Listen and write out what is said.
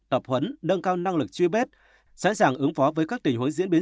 tập huấn nâng cao năng lực truy vết sẵn sàng ứng phó với các tình huống diễn biến